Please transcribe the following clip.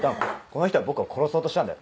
この人は僕を殺そうとしたんだよ。